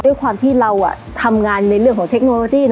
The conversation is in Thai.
ด้วยความที่เราทำงานในเรื่องของเทคโนโลยี